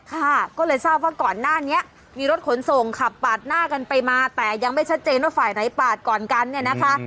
ค่ะก็เลยทราบว่าก่อนหน้านี้มีรถขนส่งขับปาดหน้ากันไปมาแต่ยังไม่ชัดเจนว่าฝ่ายไหนปาดก่อนกันเนี่ยนะคะ